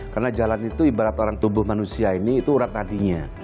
karena jalan itu ibarat orang tubuh manusia ini itu urat nadinya